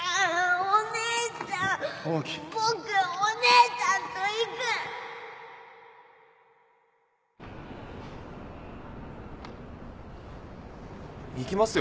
僕お姉ちゃんと行く行きますよ。